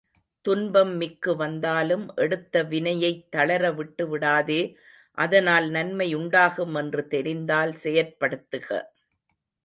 துன்பம் மிக்கு வந்தாலும் எடுத்த வினையைத் தளர விட்டுவிடாதே அதனால் நன்மை உண்டாகும் என்று தெரிந்தால் செயற்படுத்துக.